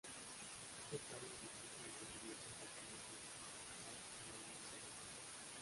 Esta tabla refleja el rendimiento total de los participantes a lo largo del evento.